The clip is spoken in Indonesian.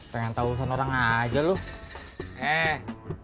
yeh aku tidak jauh